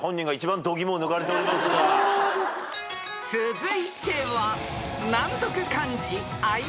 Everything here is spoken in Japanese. ［続いては］